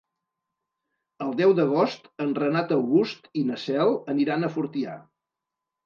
El deu d'agost en Renat August i na Cel aniran a Fortià.